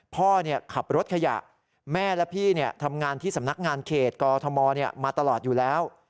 พ่อขับรถขยะแม่และพี่ทำงานที่สำนักงานเขตกอทมมาตลอดอยู่แล้ว